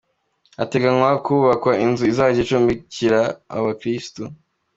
Hateganywa kubakwa inzu izajya icumbikira abo bakirisitu.